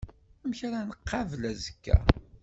Amek ara nqabel azekka.